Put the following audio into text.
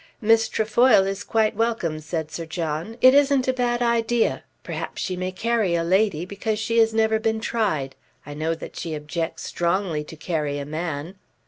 "Miss Trefoil is quite welcome," said Sir John. "It isn't a bad idea. Perhaps she may carry a lady, because she has never been tried. I know that she objects strongly to carry a man."